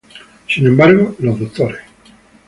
Sin embargo, los Dres.